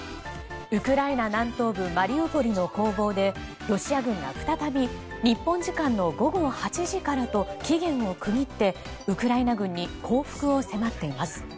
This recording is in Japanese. ウクライナ南東部マリウポリの攻防でロシア軍が再び日本時間の午後８時からと期限を区切ってウクライナ軍に降伏を迫っています。